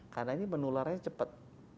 karena ini menularnya cepat